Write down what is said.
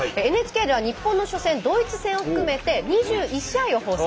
ＮＨＫでは日本の初戦ドイツ戦を含めて２１試合を放送します。